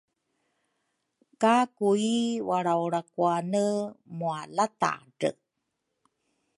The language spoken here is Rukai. ka Kui walraulrakuane mualatadre.